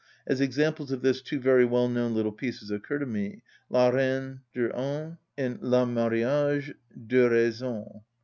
As examples of this kind two very well‐known little pieces occur to me: "La reine de 16 ans," and "Le marriage de raison."